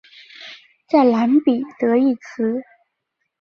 在蓝彼得一词。